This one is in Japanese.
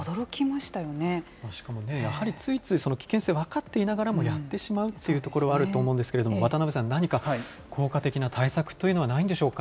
しかもやはりついついその危険性、分かっていながらも、やってしまうということはあると思うんですけれども、渡辺さん、何か効果的な対策というのはないんでしょうか。